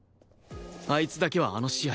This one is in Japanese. あいつだけはあの試合